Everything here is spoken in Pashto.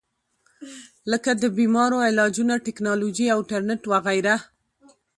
لکه د بيمارو علاجونه ، ټېکنالوجي او انټرنيټ وغېره